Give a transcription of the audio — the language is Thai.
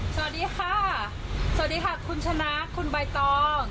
สวัสดีค่ะสวัสดีค่ะคุณชนะคุณใบตอง